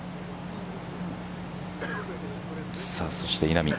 そして稲見。